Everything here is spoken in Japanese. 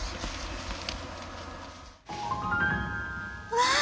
わあ！